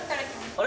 あれ？